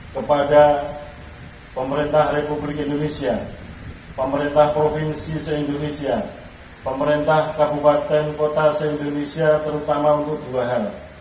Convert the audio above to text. kepada pemerintah republik indonesia pemerintah provinsi se indonesia pemerintah kabupaten kota se indonesia terutama untuk dua hal